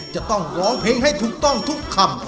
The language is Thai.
จะต้องร้องเพลงให้ถูกต้องทุกคำ